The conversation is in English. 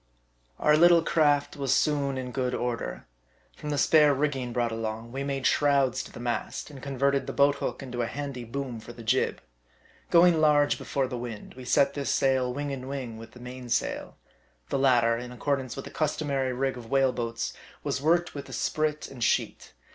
OUR little craft was soon in good order. From the spare rigging brought along, we made shrouds to the mast, and converted the boat hook into a handy boom for the jib. Going large before the wind, we set this sail wing and wing with the main sail. The latter, in accordance with the customary rig of whale boats, was worked with a sprit and sheet.